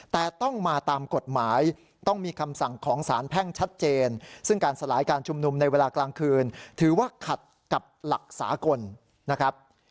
แต่ต้องมาตามกฎหมายต้องมีคำสั่งของสารแพ่งชัดเจนซึ่งการสลายการชุมนุมในเวลากลางคืนถือว่าขัดกับหลักสากลนะครับ